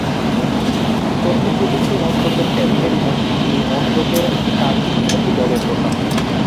তথ্যপ্রযুক্তি মন্ত্রকের ক্যাবিনেট মন্ত্রী এই মন্ত্রকের কার্যনির্বাহী দলের প্রধান।